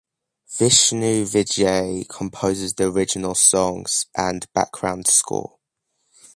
Vishnu Vijay composes the original songs and background score.